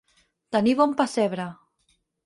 Tenir bon pessebre.